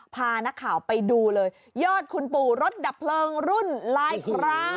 พานักข่าวไปดูเลยยอดคุณปู่รถดับเพลิงรุ่นลายคราว